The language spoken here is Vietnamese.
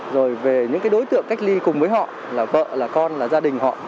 rồi về những cái đối tượng cách ly cùng với họ là vợ là con là gia đình họ